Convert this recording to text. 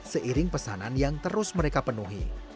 seiring pesanan yang terus mereka penuhi